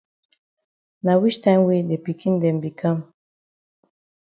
Na wich time wey de pikin dem be kam?